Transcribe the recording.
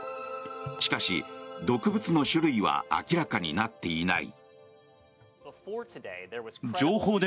しかし、毒物の種類は明らかになっていない。